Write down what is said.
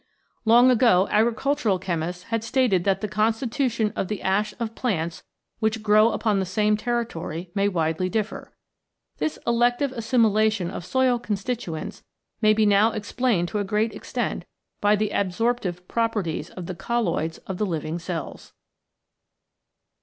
Long ago agricultural chemists had stated that the constitution of the ash of plants which grow upon the same territory may widely differ. This elective assimilation of soil constituents may be now explained to a great extent by the adsorptive qualities of the colloids of the living cells.